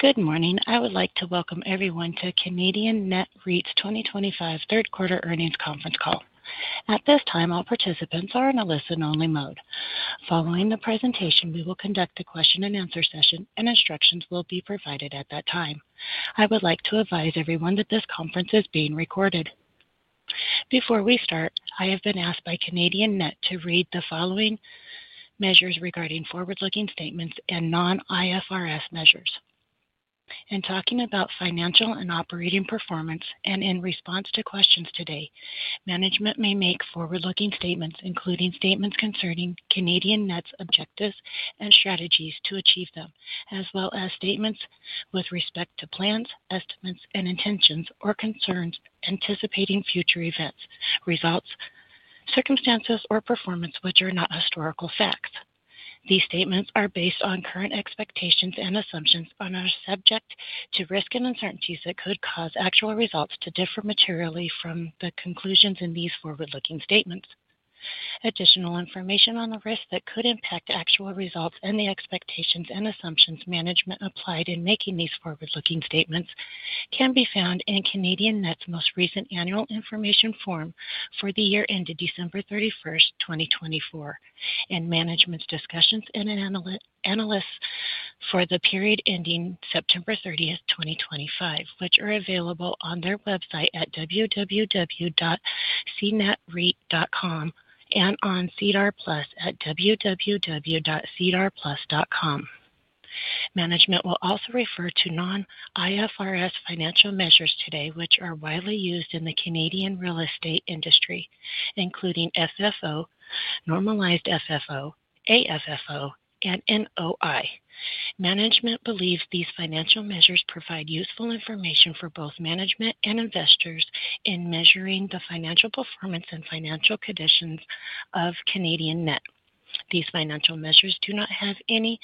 Good morning. I would like to welcome everyone to Canadian Net REIT's 2025 Third Quarter Earnings Conference Call. At this time, all participants are in a listen-only mode. Following the presentation, we will conduct a question-and-answer session, and instructions will be provided at that time. I would like to advise everyone that this conference is being recorded. Before we start, I have been asked by Canadian Net REIT to read the following measures regarding forward-looking statements and non-IFRS measures. In talking about financial and operating performance, and in response to questions today, management may make forward-looking statements, including statements concerning Canadian Net REIT's objectives and strategies to achieve them, as well as statements with respect to plans, estimates, and intentions or concerns anticipating future events, results, circumstances, or performance which are not historical facts. These statements are based on current expectations and assumptions and are subject to risk and uncertainties that could cause actual results to differ materially from the conclusions in these forward-looking statements. Additional information on the risks that could impact actual results and the expectations and assumptions management applied in making these forward-looking statements can be found in Canadian Net's most recent annual information form for the year ended December 31, 2024, and management's discussion and analysis for the period ending September 30, 2025, which are available on their website at www.cnetreit.com and on SEDAR+ at www.sedarplus.com. Management will also refer to non-IFRS financial measures today, which are widely used in the Canadian real estate industry, including FFO, normalized FFO, AFFO, and NOI. Management believes these financial measures provide useful information for both management and investors in measuring the financial performance and financial condition of Canadian Net. These financial measures do not have any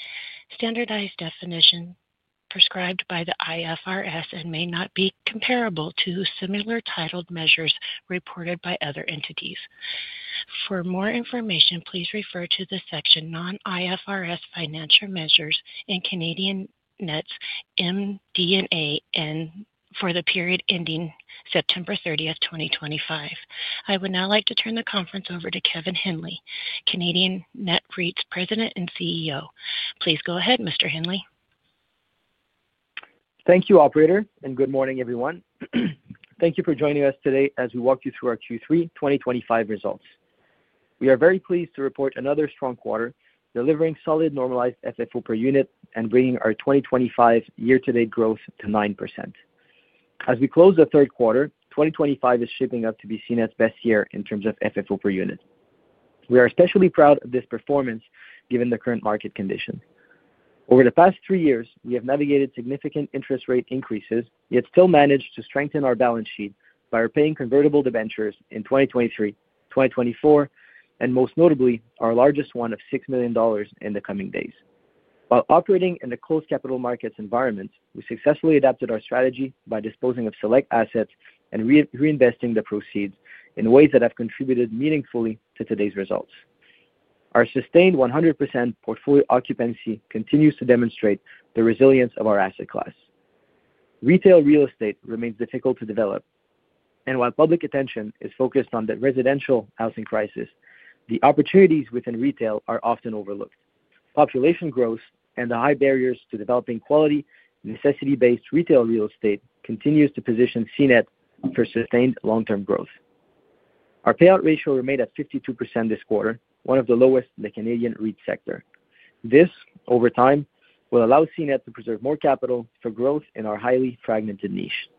standardized definition prescribed by the IFRS and may not be comparable to similar titled measures reported by other entities. For more information, please refer to the section Non-IFRS Financial Measures in Canadian Net REIT's MD&A for the period ending September 30, 2025. I would now like to turn the conference over to Kevin Henley, Canadian Net REIT's President and CEO. Please go ahead, Mr. Henley. Thank you, Operator, and good morning, everyone. Thank you for joining us today as we walk you through our Q3 2025 results. We are very pleased to report another strong quarter, delivering solid normalized FFO per unit and bringing our 2025 year-to-date growth to 9%. As we close the third quarter, 2025 is shaping up to be seen as best year in terms of FFO per unit. We are especially proud of this performance given the current market conditions. Over the past three years, we have navigated significant interest rate increases, yet still managed to strengthen our balance sheet by repaying convertible debentures in 2023, 2024, and most notably, our largest one of 6 million dollars in the coming days. While operating in a closed capital markets environment, we successfully adapted our strategy by disposing of select assets and reinvesting the proceeds in ways that have contributed meaningfully to today's results. Our sustained 100% portfolio occupancy continues to demonstrate the resilience of our asset class. Retail real estate remains difficult to develop, and while public attention is focused on the residential housing crisis, the opportunities within retail are often overlooked. Population growth and the high barriers to developing quality necessity-based retail real estate continue to position CNET for sustained long-term growth. Our payout ratio remained at 52% this quarter, one of the lowest in the Canadian REIT sector. This, over time, will allow CNET to preserve more capital for growth in our highly fragmented niche.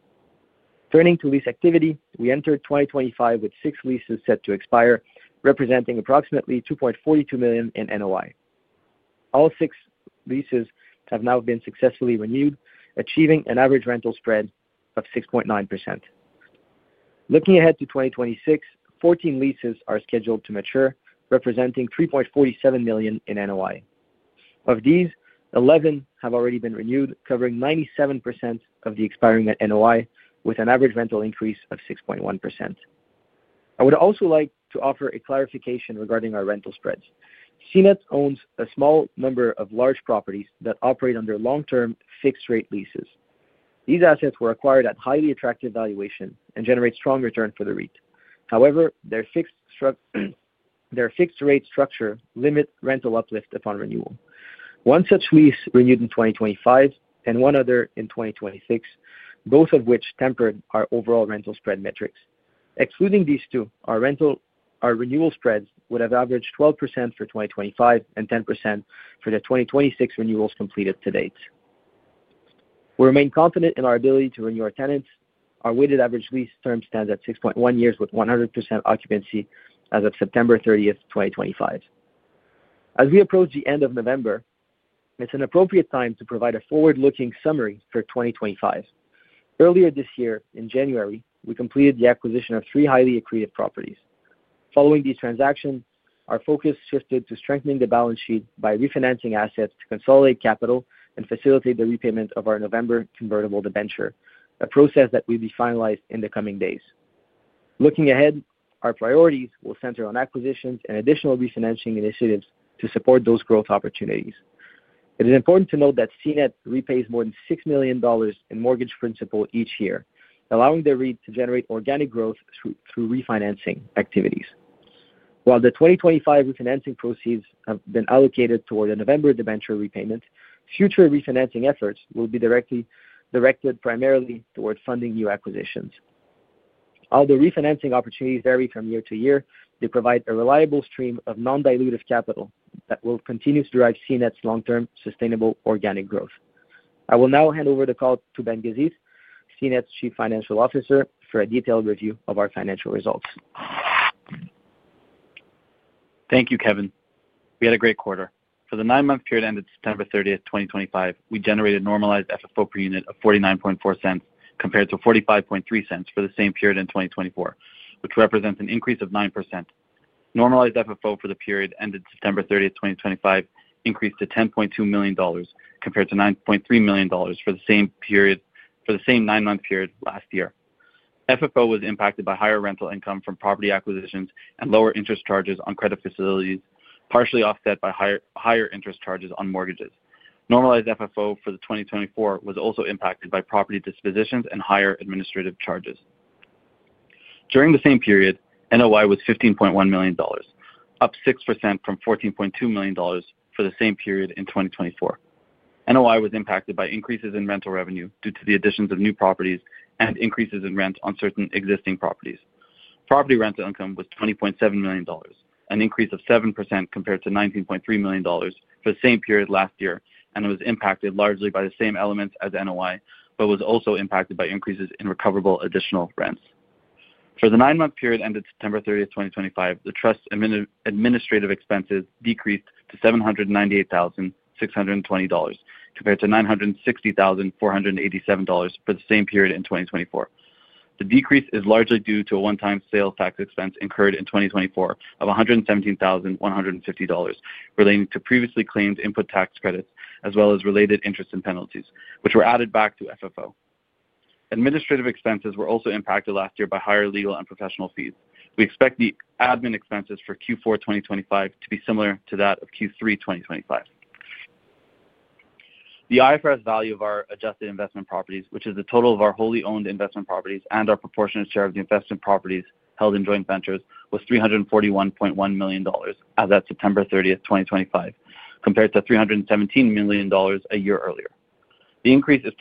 Turning to lease activity, we entered 2025 with six leases set to expire, representing approximately 2.42 million in NOI. All six leases have now been successfully renewed, achieving an average rental spread of 6.9%. Looking ahead to 2026, 14 leases are scheduled to mature, representing 3.47 million in NOI. Of these, 11 have already been renewed, covering 97% of the expiring NOI, with an average rental increase of 6.1%. I would also like to offer a clarification regarding our rental spreads. Canadian Net REIT owns a small number of large properties that operate under long-term fixed-rate leases. These assets were acquired at highly attractive valuation and generate strong returns for the REIT. However, their fixed-rate structure limits rental uplift upon renewal. One such lease was renewed in 2025 and one other in 2026, both of which tempered our overall rental spread metrics. Excluding these two, our renewal spreads would have averaged 12% for 2025 and 10% for the 2026 renewals completed to date. We remain confident in our ability to renew our tenants. Our weighted average lease term stands at 6.1 years with 100% occupancy as of September 30, 2025. As we approach the end of November, it's an appropriate time to provide a forward-looking summary for 2025. Earlier this year, in January, we completed the acquisition of three highly accretive properties. Following these transactions, our focus shifted to strengthening the balance sheet by refinancing assets to consolidate capital and facilitate the repayment of our November convertible debenture, a process that will be finalized in the coming days. Looking ahead, our priorities will center on acquisitions and additional refinancing initiatives to support those growth opportunities. It is important to note that Canadian Net REIT repays more than 6 million dollars in mortgage principal each year, allowing the REIT to generate organic growth through refinancing activities. While the 2025 refinancing proceeds have been allocated toward the November debenture repayment, future refinancing efforts will be directed primarily toward funding new acquisitions. Although refinancing opportunities vary from year to year, they provide a reliable stream of non-dilutive capital that will continue to drive Canadian Net REIT's long-term sustainable organic growth. I will now hand over the call to Ben Gazith, Canadian Net REIT's Chief Financial Officer, for a detailed review of our financial results. Thank you, Kevin. We had a great quarter. For the nine-month period ended September 30, 2025, we generated a normalized FFO per unit of 0.494 compared to 0.453 for the same period in 2024, which represents an increase of 9%. Normalized FFO for the period ended September 30, 2025, increased to 10.2 million dollars compared to 9.3 million dollars for the same nine-month period last year. FFO was impacted by higher rental income from property acquisitions and lower interest charges on credit facilities, partially offset by higher interest charges on mortgages. Normalized FFO for 2024 was also impacted by property dispositions and higher administrative charges. During the same period, NOI was 15.1 million dollars, up 6% from 14.2 million dollars for the same period in 2024. NOI was impacted by increases in rental revenue due to the additions of new properties and increases in rent on certain existing properties. Property rental income was 20.7 million dollars, an increase of 7% compared to 19.3 million dollars for the same period last year, and it was impacted largely by the same elements as NOI, but was also impacted by increases in recoverable additional rents. For the nine-month period ended September 30, 2025, the trust's administrative expenses decreased to 798,620 dollars compared to 960,487 dollars for the same period in 2024. The decrease is largely due to a one-time sales tax expense incurred in 2024 of 117,150 dollars, relating to previously claimed input tax credits, as well as related interest and penalties, which were added back to FFO. Administrative expenses were also impacted last year by higher legal and professional fees. We expect the admin expenses for Q4 2025 to be similar to that of Q3 2025. The IFRS value of our adjusted investment properties, which is the total of our wholly owned investment properties and our proportionate share of the investment properties held in joint ventures, was 341.1 million dollars as of September 30th, 2025, compared to 317 million dollars a year earlier. The increase is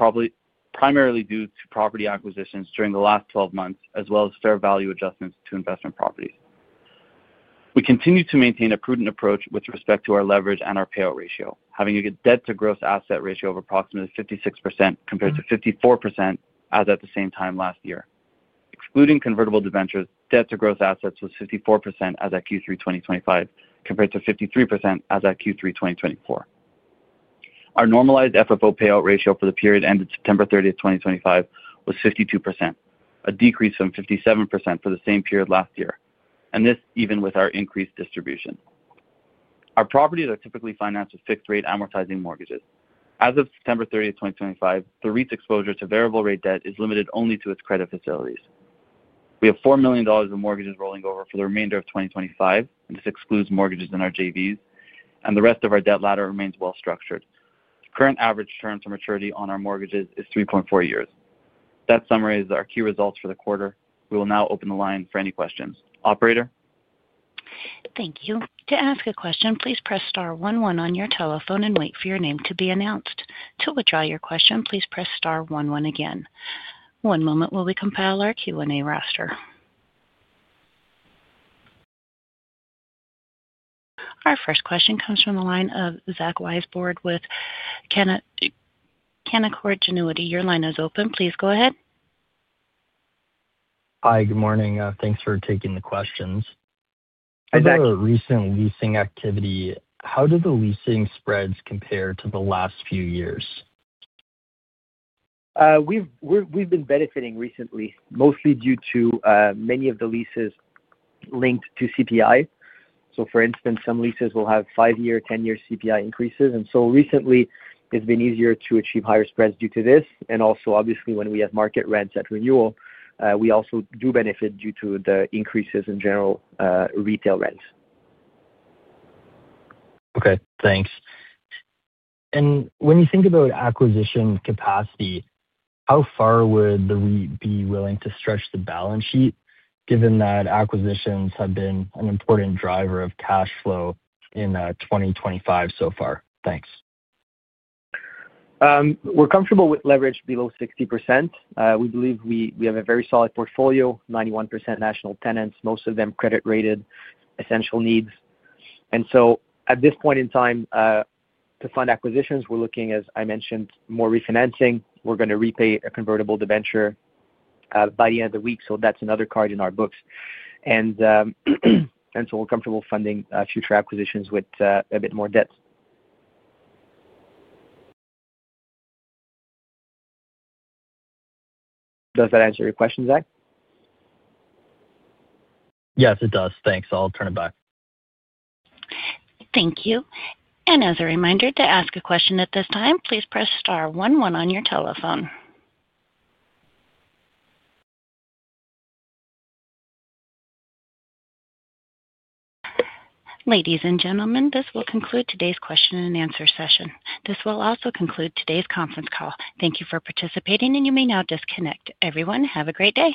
primarily due to property acquisitions during the last 12 months, as well as fair value adjustments to investment properties. We continue to maintain a prudent approach with respect to our leverage and our payout ratio, having a debt-to-gross asset ratio of approximately 56% compared to 54% as at the same time last year. Excluding convertible debentures, debt-to-gross assets was 54% as at Q3 2025 compared to 53% as at Q3 2024. Our normalized FFO payout ratio for the period ended September 30th, 2025, was 52%, a decrease from 57% for the same period last year, and this even with our increased distribution. Our properties are typically financed with fixed-rate amortizing mortgages. As of September 30, 2025, the REIT's exposure to variable-rate debt is limited only to its credit facilities. We have 4 million dollars of mortgages rolling over for the remainder of 2025, and this excludes mortgages in our JVs, and the rest of our debt ladder remains well-structured. Current average term to maturity on our mortgages is 3.4 years. That summarizes our key results for the quarter. We will now open the line for any questions. Operator. Thank you. To ask a question, please press star one one on your telephone and wait for your name to be announced. To withdraw your question, please press star one one again. One moment while we compile our Q&A roster. Our first question comes from the line of Zach Weisbord with Canaccord Genuity. Your line is open. Please go ahead. Hi, good morning. Thanks for taking the questions. I have a recent leasing activity. How do the leasing spreads compare to the last few years? We've been benefiting recently, mostly due to many of the leases linked to CPI. For instance, some leases will have five-year, ten-year CPI increases. Recently, it's been easier to achieve higher spreads due to this. Also, obviously, when we have market rents at renewal, we also do benefit due to the increases in general retail rents. Okay, thanks. When you think about acquisition capacity, how far would the REIT be willing to stretch the balance sheet, given that acquisitions have been an important driver of cash flow in 2025 so far? Thanks. We're comfortable with leverage below 60%. We believe we have a very solid portfolio: 91% national tenants, most of them credit-rated, essential needs. At this point in time, to fund acquisitions, we're looking, as I mentioned, more refinancing. We're going to repay a convertible debenture by the end of the week, so that's another card in our books. We're comfortable funding future acquisitions with a bit more debt. Does that answer your question, Zach? Yes, it does. Thanks. I'll turn it back. Thank you. As a reminder, to ask a question at this time, please press star one one on your telephone. Ladies and gentlemen, this will conclude today's question and answer session. This will also conclude today's conference call. Thank you for participating, and you may now disconnect. Everyone, have a great day.